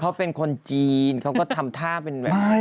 เขาเป็นคนจีนเขาก็ทำท่าเป็นแบบ